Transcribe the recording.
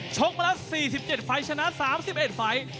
ชกมาแล้ว๔๗ไฟล์ชนะ๓๑ไฟล์